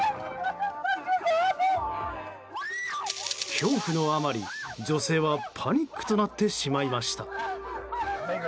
恐怖のあまり、女性はパニックとなってしまいました。